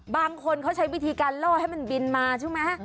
บางคนเขาใช้วิธีการล่อให้มันบินมาใช่ไหม